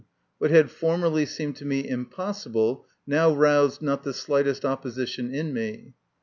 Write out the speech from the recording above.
What had for merly seemed to me impossible now roused not the slightest opposition in me.